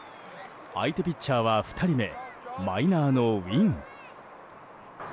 相手ピッチャーは２人目マイナーのウィン。